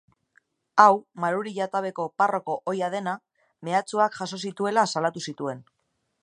Hau, Maruri-Jatabeko parroko ohia dena, mehatxuak jaso zituela salatu zituen.